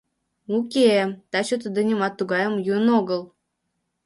Уке, таче тудо нимат тугайым йӱын огыл...